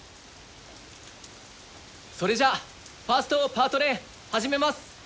それじゃあファーストパート練始めます。